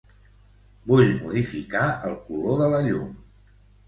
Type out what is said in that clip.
Vull modificar el color de la llum.